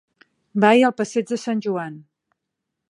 Vaig al passeig de Sant Joan.